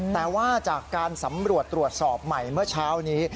แต่ว่าจากการสำรวจตรวจสอบใหม่เมื่อเช้านี้